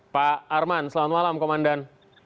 pak arman selamat malam komandan